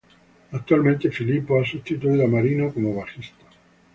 Actualmente Filipo ha sustituido a Marino como bajista.